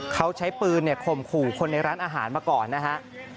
เขาใช้ปืนข่มขู่คนในร้านอาหารมาก่อนนะฮะ